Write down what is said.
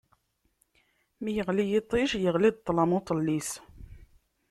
Mi yeɣli yiṭij, iɣli-d ṭṭlam uṭellis.